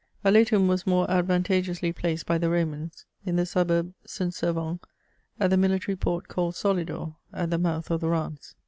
Aletum was more advantageously placed by the Romans in the suburb St. Servan, at the military port called Solidor, at the mouth of the Ranee.